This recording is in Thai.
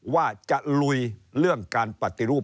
ว่าจะลุยเรื่องการปฏิรูป